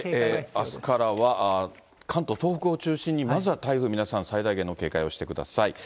あすからは関東、東北を中心にまずは台風皆さん、最大限の警戒をしてください。